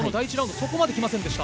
そこまで来ませんでした。